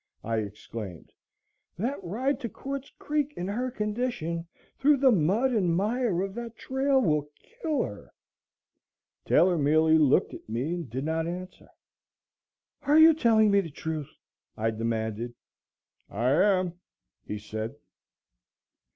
I exclaimed. "That ride to Quartz Creek in her condition, through the mud and mire of that trail, will kill her." Taylor merely looked at me and did not answer. "Are you telling me the truth?" I demanded. "I am," he said.